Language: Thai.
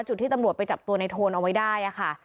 จุดที่ตำรวจไปจับตัวในโทนเอาไว้ได้ค่ะ